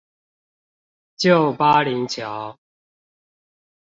舊巴陵橋